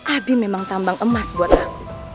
adi memang tambang emas buat aku